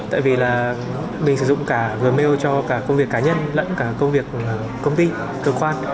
tại vì là mình sử dụng cả gmail cho cả công việc cá nhân lẫn cả công việc của công ty cơ quan